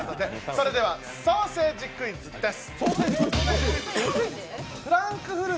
それでは、ソーセージクイズです。